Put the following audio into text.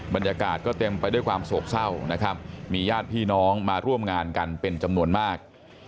บรรยากาศก็เต็มไปด้วยความโศกเศร้านะครับมีญาติพี่น้องมาร่วมงานกันเป็นจำนวนมาก